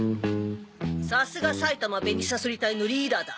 さすが埼玉紅さそり隊のリーダーだ。